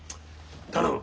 頼む。